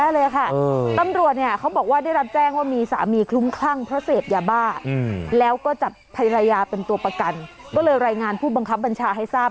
น้ำนวดพี่เขาบอกว่าได้รัทแจ้งว่ามีสามีคุ้มคลั่งเพิกอย่าบ้าแล้วก็จับภิราญ่าเป็นตัวประกันก็เลยรายงานผู้บังคัมบัญชาให้ทราบ